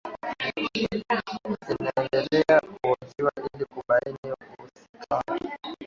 anaendelea kuhojiwa ili kubaini uhusika wake